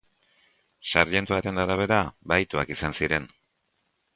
Sarjentuaren arabera bahituak izan ziren.